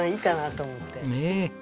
ねえ。